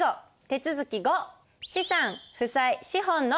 手続き５。